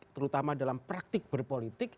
terutama dalam praktik berpolitik